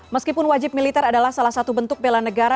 meskipun wajib militer adalah salah satu bentuk bela negara